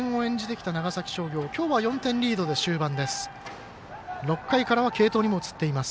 きょうは４点リードで終盤です。